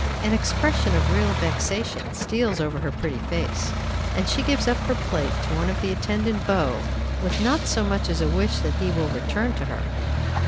An expression of real vexation steals over her pretty face, and she gives up her plate to one of the attendant beaux, with not so much as a wish that he will return to her.